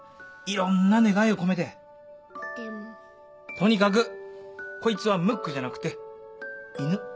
とにかくこいつはムックじゃなくて犬。